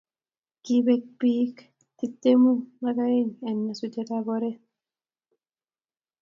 kipek pik tiptemu ak aeng en nyasutiet ab otret